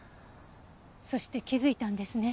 そして気づいたんですね。